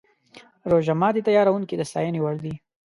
روژه ماتي تیاروونکي د ستاینې وړ دي.